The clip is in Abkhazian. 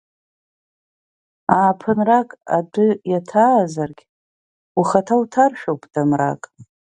Ааԥынрак адәы иаҭаазаргь, ухаҭа уҭаршәыхуп дамрак…